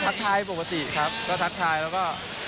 ทักทายปกติครับก็ทักทายแล้วก็